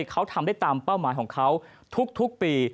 เขาทำได้ตามเป้าหมายของเขาทุกปี